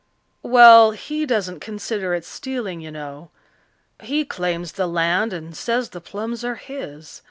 "Well, he doesn't consider it stealing, you know. He claims the land and says the plums are his.